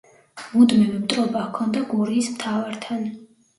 მუდმივი მტრობა ჰქონდა გურიის მთავართან.